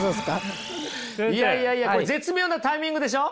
いやいやいやこれ絶妙なタイミングでしょ？